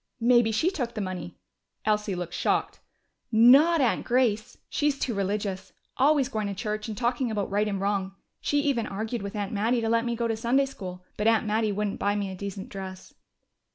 "Maybe she took the money." Elsie looked shocked. "Not Aunt Grace! She's too religious. Always going to church and talking about right and wrong. She even argued with Aunt Mattie to let me go to Sunday school, but Aunt Mattie wouldn't buy me a decent dress."